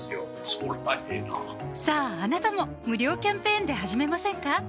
そりゃええなさぁあなたも無料キャンペーンで始めませんか？